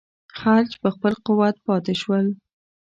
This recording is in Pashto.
خلج په خپل قوت پاته شول.